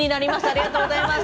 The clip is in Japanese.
ありがとうございます。